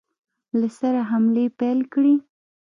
له سره حملې پیل کړې.